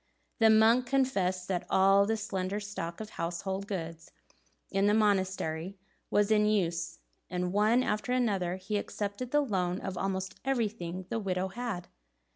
The monk confessed that all the slender stock of household goods in the monastery was in use, and one after another he accepted the loan of almost everything the widow had.